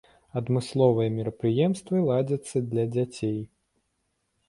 Адмысловыя мерапрыемствы ладзяцца для дзяцей.